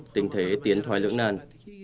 tình thế tiến thoái lưỡng nàn